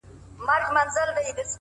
ریښتینی رهبر خدمت ته لومړیتوب ورکوي!